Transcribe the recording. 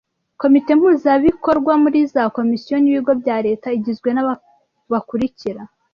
Komite Mpuzabikorwa muri za Komisiyo n’ibigo bya Leta igizwe n’aba bakurikira: